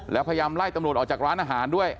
แล้วพยายามไล่ตำรวจออกจากร้านอาหารด้วย